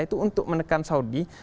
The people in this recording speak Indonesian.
itu untuk menekan saudi